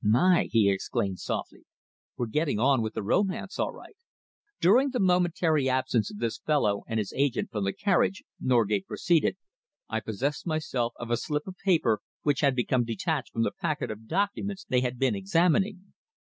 "My!" he exclaimed softly. "We're getting on with the romance all right!" "During the momentary absence of this fellow and his agent from the carriage," Norgate proceeded, "I possessed myself of a slip of paper which had become detached from the packet of documents they had been examining.